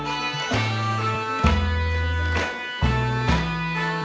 ร้องได้ให้ร้าน